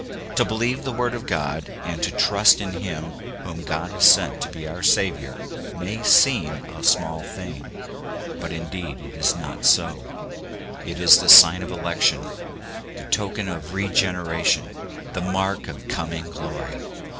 To believe the word of God, and to trust in him whom God has sent to be our Saviour may seem a small thing ; but indeed it is not so : it is the sign of election, the token of regeneration, the mark of coming glory.